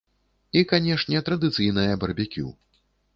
І, канешне, традыцыйнае барбекю.